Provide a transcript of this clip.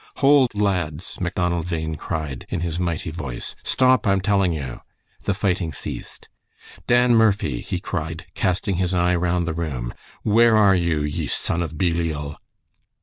"Hold, lads!" Macdonald Bhain cried, in his mighty voice. "Stop, I'm telling you." The fighting ceased. "Dan Murphy!" he cried, casting his eye round the room, "where are you, ye son of Belial?"